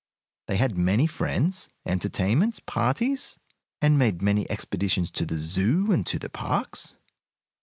They had many friends, entertainments, parties, and made many expeditions to the Zoo and to the parks.